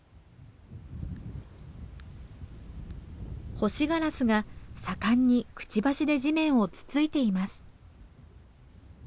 ホシガラスが盛んにくちばしで地面をつついています。